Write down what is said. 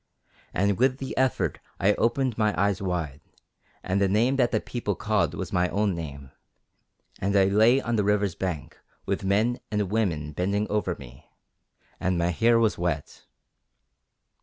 And with the effort I opened my eyes wide, and the name that the people called was my own name, and I lay on the river's bank with men and women bending over me, and my hair was wet.